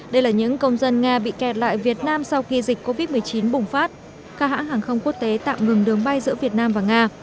đây là những công dân nga bị kẹt lại việt nam sau khi dịch covid một mươi chín bùng phát các hãng hàng không quốc tế tạm ngừng đường bay giữa việt nam và nga